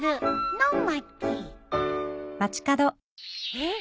えっ？